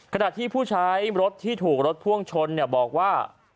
ขณะที่ผู้ใช้รถที่ถูกรถพ่วงชนบอกว่า